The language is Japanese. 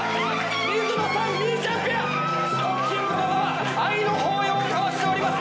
水野さんみーちゃんペアストッキングのまま愛の抱擁を交わしております。